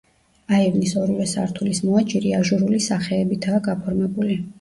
აივნის ორივე სართულის მოაჯირი აჟურული სახეებითაა გაფორმებული.